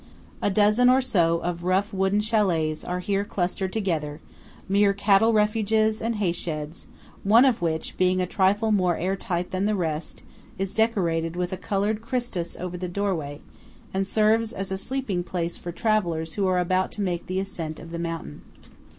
A dozen or so of rough wooden châlets are here clustered together; mere cattle refuges and hay sheds, one of which, being a trifle more air tight than the rest, is decorated with a coloured Christus over the doorway, and serves as a sleeping place for travellers who are about to make the ascent of the mountain.